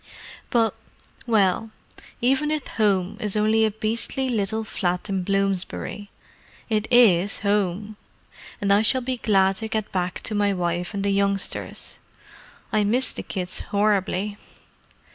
But—well, even if home is only a beastly little flat in Bloomsbury it is home, and I shall be glad to get back to my wife and the youngsters. I miss the kids horribly."